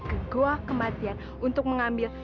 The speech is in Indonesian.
ke goa kematian untuk mengambil